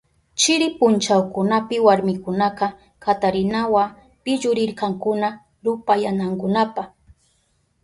Chiri punchakunapi warmikunaka katarinawa pillurirkakuna rupayanankunapa.